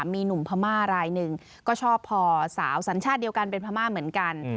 มีหนุ่มพม่ารายหนึ่งก็ชอบพอสาวสัญชาติเดียวกันเป็นพม่าเหมือนกัน